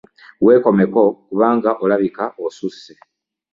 Weekomeko kubanga olabika osusse!